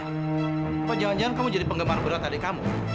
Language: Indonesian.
apa jangan jangan kamu jadi penggemar berat adik kamu